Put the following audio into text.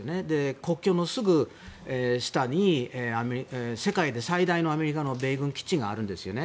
国境のすぐ下に世界で最大のアメリカの米軍基地があるんですよね。